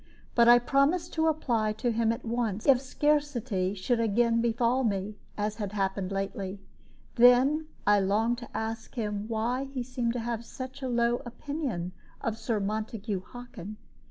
But I promised to apply to him at once if scarcity should again befall me, as had happened lately. And then I longed to ask him why he seemed to have so low an opinion of Sir Montague Hockin.